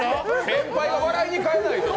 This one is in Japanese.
先輩が笑いに変えないと。